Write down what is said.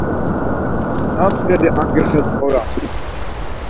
Nam peri angepes orom?